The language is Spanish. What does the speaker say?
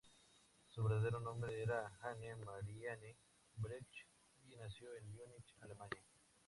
Su verdadero nombre era Hanne Marianne Brecht, y nació en Múnich, Alemania.